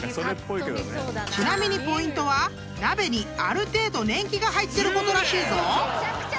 ［ちなみにポイントは鍋にある程度年季が入ってることらしいぞ］